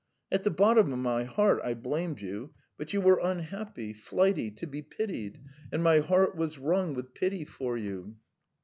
... At the bottom of my heart I blamed you, but you were unhappy, flighty, to be pitied, and my heart was wrung with pity for you."